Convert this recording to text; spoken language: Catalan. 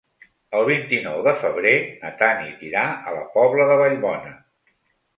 El vint-i-nou de febrer na Tanit irà a la Pobla de Vallbona.